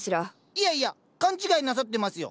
いやいや勘違いなさってますよ